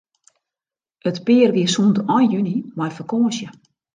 It pear wie sûnt ein juny mei fakânsje.